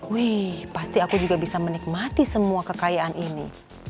wih pasti aku juga bisa menikmati semua kekayaan ini